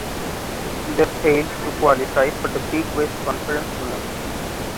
They failed to qualify for the Big West Conference tournament.